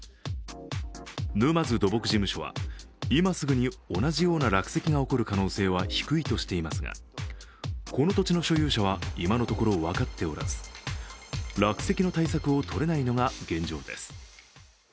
沼津土木事務所は、今すぐに同じような落石が起こる可能性は低いとしていますが、この土地の所有者は今のところ分かっておらず落石の対策を取れないのが現状です。